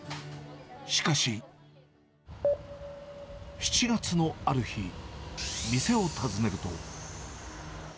しかし、７月のある日、店を訪ねると。